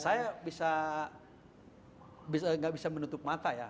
saya bisa nggak bisa menutup mata ya